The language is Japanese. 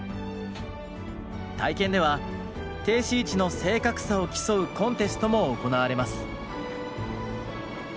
体験では停止位置の正確さを競うコンテストも行われます。